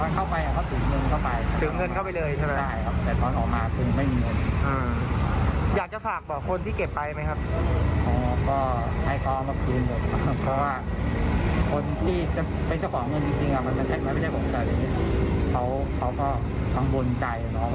เขาก็บนใจนะว่ามันก็ไม่ใช่นะ